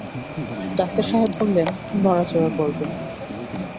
Doctor সাহেব বললেন, নড়াচড়া করবেন।